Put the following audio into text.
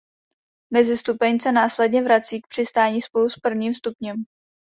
Mezistupeň se následně vrací k přistání spolu s prvním stupněm.